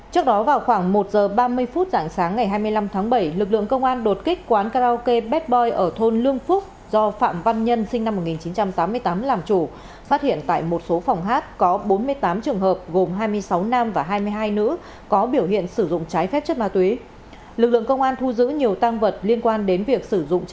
liên quan đến vụ việc hơn bốn mươi đối tượng sử dụng trái phép chất ma túy tại quán karaoke ở xã vùng thắng huyện bình giang tỉnh hải dương